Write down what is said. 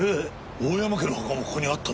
大山家の墓もここにあったのか。